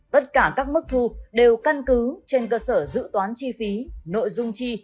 tất cả các mức thu đều căn cứ trên cơ sở dự toán chi phí nội dung chi